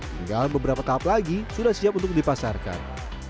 tinggal beberapa tahap lagi sudah siap untuk dipasarkan